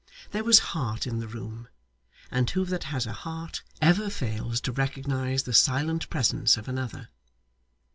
There was heart in the room; and who that has a heart, ever fails to recognise the silent presence of another!